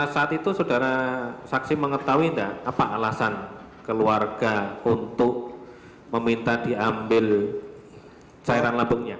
saat itu saudara saksi mengetahui tidak apa alasan keluarga untuk meminta diambil cairan lambungnya